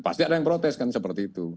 pasti ada yang protes kan seperti itu